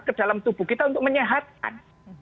ke dalam tubuh kita untuk menyehatkan